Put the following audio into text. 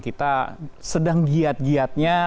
kita sedang giat giatnya